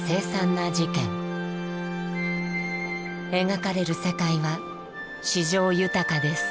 描かれる世界は詩情豊かです。